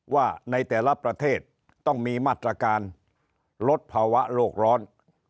ว่าในแต่ละประเทศต้องมีมาตรการลดภาวะโลกร้อน